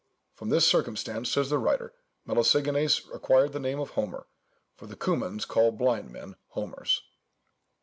"From this circumstance," says the writer, "Melesigenes acquired the name of Homer, for the Cumans call blind men Homers."